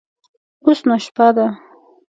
اوس نو شپه ده.